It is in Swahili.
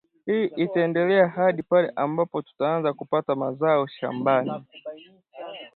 Hii itaendelea hadi pale ambapo tutaanza kupata mazao shambani